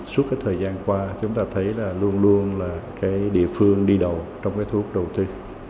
suốt thời gian qua chúng ta thấy là luôn luôn là địa phương đi đầu trong thuốc đầu tư